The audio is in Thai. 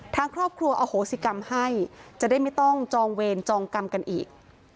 ทางครอบครัวอโหสิกรรมให้จะได้ไม่ต้องจองเวรจองกรรมกันอีก